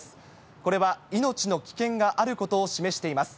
これは命の危険があることを示しています。